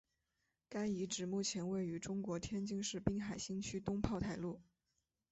该遗址目前位于中国天津市滨海新区东炮台路。